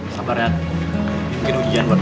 sabar nath mungkin ujian buat lu